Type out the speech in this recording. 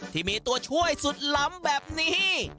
ที่มีตัวช่วยสุดล้ำแบบนี้